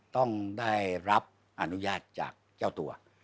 ต้องได้รับอนุญาตจากเจ้าตัว